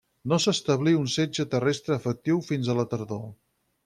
No s'establí un setge terrestre efectiu fins a la tardor.